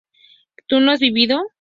¿tú no habías vivido?